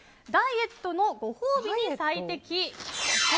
ダイエットのご褒美に最適！